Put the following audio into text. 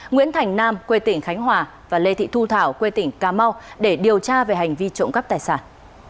nguyễn thành nam quê tỉnh khánh hòa và lê thị thu thảo quê tỉnh cà mau để điều tra về hành vi trộm cắp tài sản